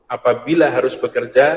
apabila harus bekerja